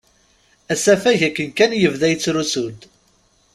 Asafag akken kan yebda yettrusu-d.